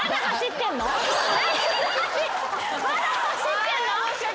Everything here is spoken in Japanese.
まだ走ってんの？